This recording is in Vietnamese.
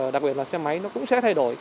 đặc biệt là xe máy nó cũng sẽ thay đổi